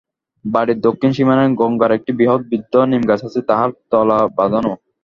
বাড়ির দক্ষিণ-সীমানায় গঙ্গার একটি বৃহৎ বৃদ্ধ নিমগাছ আছে, তাহার তলা বাঁধানো।